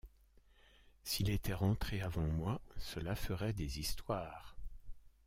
S'il était rentré avant moi, cela ferait des histoires.